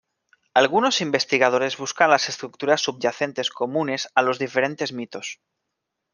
Algunos investigadores buscan las estructuras subyacentes comunes a los diferentes mitos.